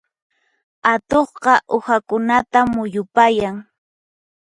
Atuqqa uhakunatan muyupayan.